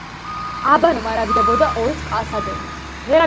აბანო მარაგდებოდა ორი წყალსადენით.